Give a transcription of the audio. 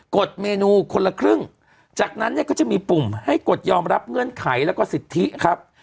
ดเมนูคนละครึ่งจากนั้นเนี่ยก็จะมีปุ่มให้กดยอมรับเงื่อนไขแล้วก็สิทธิครับ